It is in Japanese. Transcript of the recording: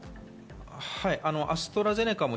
アストラゼネカも